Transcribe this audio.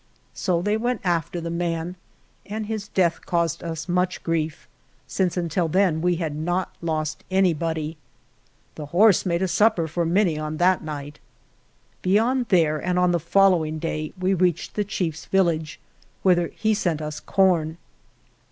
So they went after the man, and 22 ALVAR NUNEZ CABEZA DE VACA his death caused us much grief, since until then we had not lost anybody. The' horse made a supper for many on that night. Be yond there, and on the following day, we reached the chief's village, whither he sent us corn.